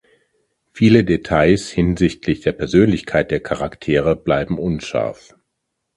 Viele Details hinsichtlich der Persönlichkeit der Charaktere bleiben unscharf.